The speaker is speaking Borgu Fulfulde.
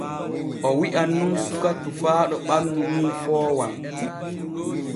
O wi’an nun suka tofaaɗo ɓannu mum foowan.